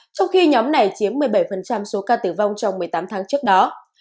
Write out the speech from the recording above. trong khi nhóm này chiếm một mươi bảy số ca tử vong trong một mươi tám tháng trước đó